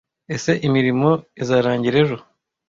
Ese imirimo izarangira ejo?